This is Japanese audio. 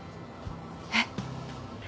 えっ。